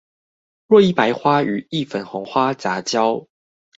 若一白花與一粉紅花雜交